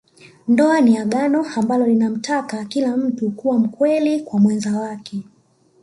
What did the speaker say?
Ndoa ni Agano ambalo linamtaka kila mtu kuwa mkweli kwa mwenza wake